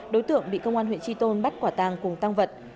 đối tượng bị công an huyện tri tôn bắt quả tàng cùng tăng vật